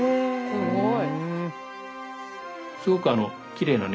すごい！